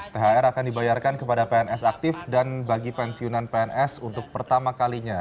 thr akan dibayarkan kepada pns aktif dan bagi pensiunan pns untuk pertama kalinya